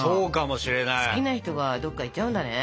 好きな人がどっか行っちゃうんだね。